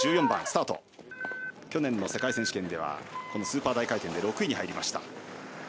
１４番去年の世界選手権ではこのスーパー大回転で６位に入りました。